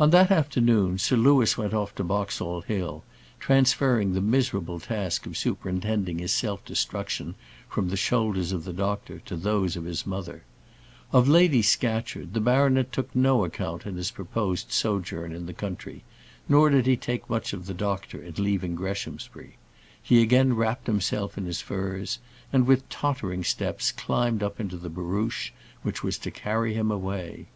On that afternoon, Sir Louis went off to Boxall Hill, transferring the miserable task of superintending his self destruction from the shoulders of the doctor to those of his mother. Of Lady Scatcherd, the baronet took no account in his proposed sojourn in the country, nor did he take much of the doctor in leaving Greshamsbury. He again wrapped himself in his furs, and, with tottering steps, climbed up into the barouche which was to carry him away.